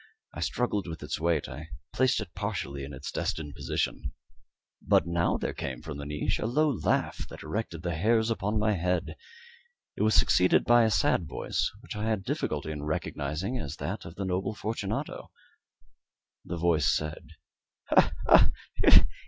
I struggled with its weight; I placed it partially in its destined position. But now there came from out the niche a low laugh that erected the hairs upon my head. It was succeeded by a sad voice, which I had difficulty in recognizing as that of the noble Fortunato. The voice said "Ha! ha! ha!